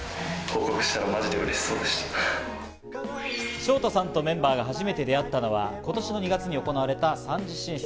ＳＨＯＴＡさんとメンバーが初めて出会ったのは、今年の２月に行われた３次審査。